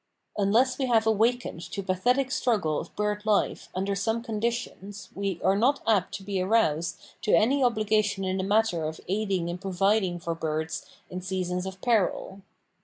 Unless we have awakened to pathetic struggle of bird life under some conditions we are not apt to be aroused to any obligation in the matter of aiding in providing for birds in seasons of peril.